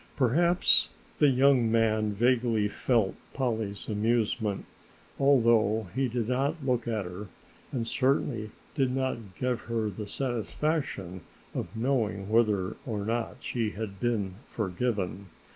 Perhaps the young man vaguely felt Polly's amusement, although he did not look at her and certainly did not give her the satisfaction of knowing whether or not she had been forgiven.